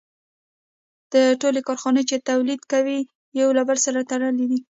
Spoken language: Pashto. ټولې کارخانې چې تولیدات کوي یو له بل سره تړلي دي